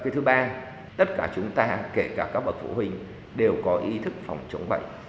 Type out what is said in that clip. thứ ba tất cả chúng ta kể cả các bậc phụ huynh đều có ý thức phòng chống bệnh